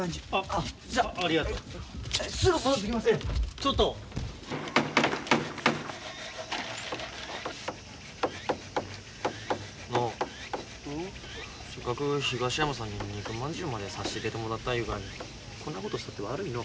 せっかく東山さんに肉まんじゅうまで差し入れてもらったいうがにこんなことしてて悪いの。